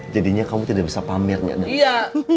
jadinya kamu tidak bisa pamer ya iya